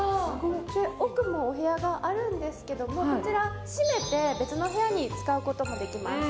奥もお部屋があるんですけれども、こちら閉めて別のお部屋としても使えます。